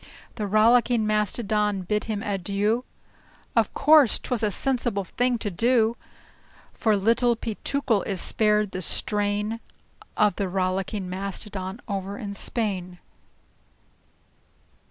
The Rollicking Mastodon bade him "adieu." Of course 't was a sensible thing to do; For Little Peetookle is spared the strain Of the Rollicking Mastodon over in Spain.